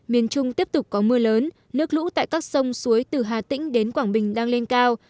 miền trung tiếp tục có mưa lớn nước lũ tại các sông suối từ hà tĩnh đến quảng bình đang lên cao